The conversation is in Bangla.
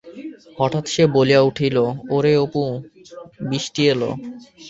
হঠাৎ সে বলিয়া উঠিল-ওরে অপু-বিষ্টি এল!